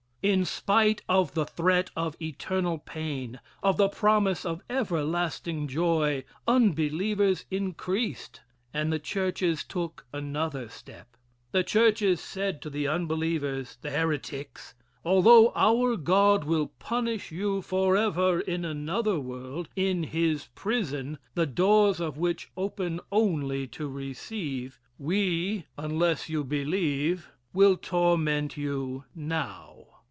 In spite of the threat of eternal pain of the promise of everlasting joy, unbelievers increased, and the churches took another step. The churches said to the unbelievers, the heretics: "Although our God will punish you forever in another world in his prison the doors of which open only to receive, we, unless you believe, will torment you now."